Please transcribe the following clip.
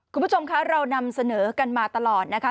คุณผู้ชมคะเรานำเสนอกันมาตลอดนะคะ